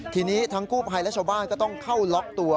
ทีนี้ทั้งกู้ภัยและชาวบ้านก็ต้องเข้าล็อกตัว